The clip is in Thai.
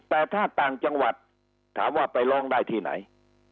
แต่ถ้าต่างจังหวัดถามว่าไปร้องได้ที่ไหน